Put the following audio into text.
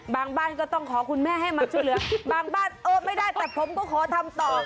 บ้านก็ต้องขอคุณแม่ให้มาช่วยเหลือบางบ้านเออไม่ได้แต่ผมก็ขอทำต่อ